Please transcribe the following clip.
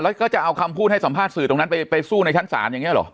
แล้วก็จะเอาคำพูดให้สัมภาษณ์สื่อตรงนั้นไปสู้ในชั้นศาลอย่างนี้หรอ